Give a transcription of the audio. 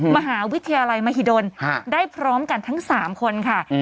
มหาวิทยาลัยมหิดลได้พร้อมกันทั้ง๓คนค่ะ